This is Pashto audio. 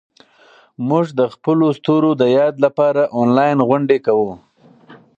موږ د خپلو ستورو د یاد لپاره انلاین غونډې کوو.